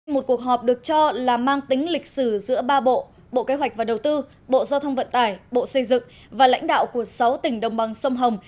một cuộc họp được cho là mang tính lịch sử giữa ba bộ bộ kế hoạch và đầu tư bộ giao thông vận tải bộ xây dựng và lãnh đạo của sáu tỉnh đồng bằng sông hồng